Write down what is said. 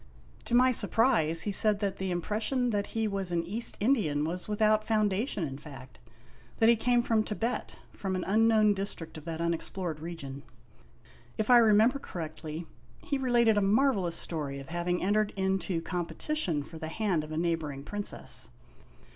To my surprise, he said that the impression that he was an East Indian was without foundation in fact ; that he came from Tibet, from an unknown district of that unexplored region. If I remember correctly, he related a marvelous story of having entered into competition for the hand of a neighboring princess.